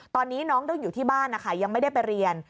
ตอนนี้น้องต้องอยู่ที่บ้านนะคะยังไม่ได้ไปเรียน